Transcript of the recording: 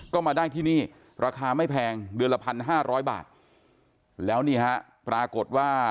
ก็มาได้ที่นี่ราคาไม่แพงเดือนละพันห้าร้อยบาทแล้วนี่ฮะปรากฏว่า